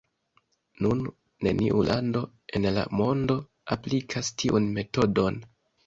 Nun neniu lando en la mondo aplikas tiun metodon.